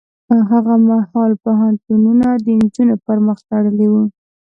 هغه مهال پوهنتونونه د نجونو پر مخ تړلي وو.